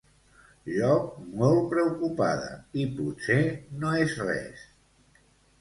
Jo molt preocupada i potser no és res.